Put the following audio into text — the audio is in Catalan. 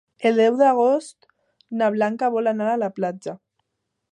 El deu d'agost na Blanca vol anar a la platja.